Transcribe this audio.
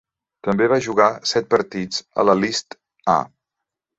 També va jugar set partits a la List A.